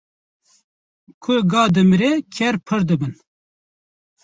Ku ga dimre kêr pir dibin.